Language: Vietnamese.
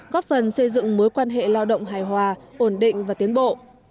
góp phần xây dựng mối quan hệ lao động hài hòa ổn định và tiến bộ